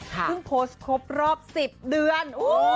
โพสต์ครบรอบ๑๐เดือน